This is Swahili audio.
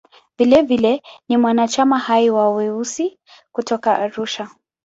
Vilevile ni mwanachama hai wa "Weusi" kutoka Arusha.